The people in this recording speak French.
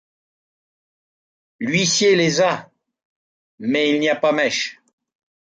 L’huissier les a... mais il n’y a pas mèche.